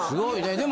でも。